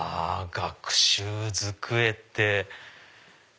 学習机って。